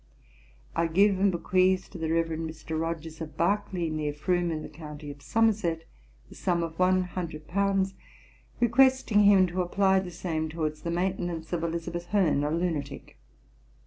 I give and bequeath to the Rev. Mr. Rogers, of Berkley, near Froom, in the county of Somerset, the sum of one hundred pounds, requesting him to apply the same towards the maintenance of Elizabeth Herne, a lunatick [F 2].